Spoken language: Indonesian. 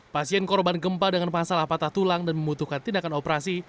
pasien korban gempa dengan masalah patah tulang dan membutuhkan tindakan operasi